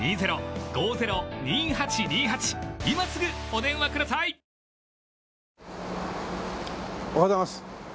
おはようございます。